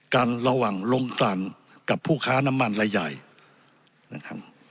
ระหว่างลงกลางกับผู้ค้าน้ำมันรายใหญ่นะครับ